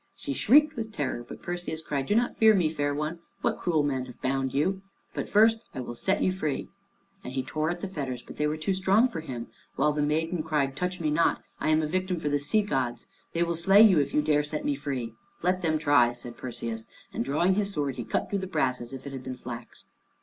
She shrieked with terror, but Perseus cried, "Do not fear me, fair one. What cruel men have bound you? But first I will set you free." And he tore at the fetters, but they were too strong for him, while the maiden cried, "Touch me not. I am a victim for the sea gods. They will slay you if you dare to set me free." "Let them try," said Perseus, and drawing his sword he cut through the brass as if it had been flax.